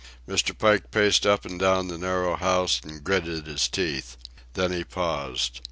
Mr. Pike paced up and down the narrow house and gritted his teeth. Then he paused.